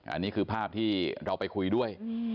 อันนี้คือภาพที่เราไปคุยด้วย